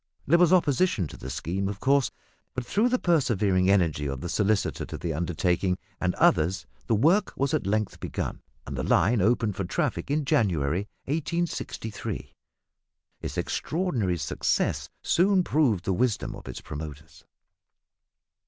There was opposition to the scheme, of course; but, through the persevering energy of the solicitor to the undertaking and others, the work was at length begun, and the line opened for traffic in January 1863. Its extraordinary success soon proved the wisdom of its promoters.